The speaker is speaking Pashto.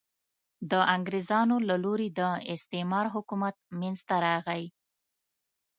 د انګرېزانو له لوري د استعمار حکومت منځته راغی.